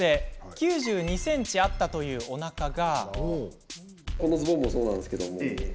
９２ｃｍあったというおなかが。